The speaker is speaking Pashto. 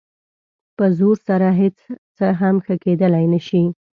په زور سره هېڅ څه هم ښه کېدلی نه شي.